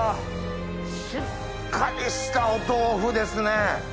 しっかりしたお豆腐ですね。